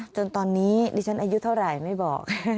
จนตอนนี้ดิฉันอายุเท่าไหร่ไม่บอก